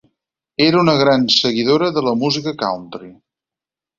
Era una gran seguidora de la música country